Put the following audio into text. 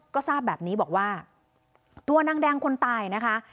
ก็ทราบแบบนี้บอกว่าตัวนางแดงคนตายนะคะ